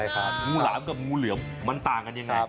งูหลามกับงูเหลือมมันต่างกันยังไง